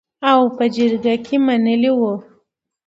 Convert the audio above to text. او په جرګه کې منلې وو .